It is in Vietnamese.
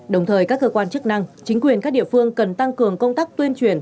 đồng thời các cơ quan chức năng chính quyền các địa phương cần tăng cường công tác tuyên truyền